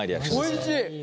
おいしい！